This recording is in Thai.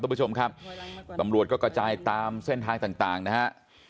ทุกประชมครับหลังก็กระจายตามเส้นทางต่างนะฮะ